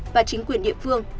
và chính quyền địa phương